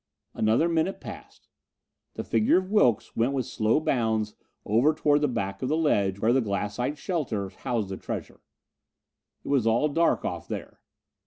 Another minute passed. The figure of Wilks went with slow bounds over toward the back of the ledge where the glassite shelter housed the treasure. It was all dark off there.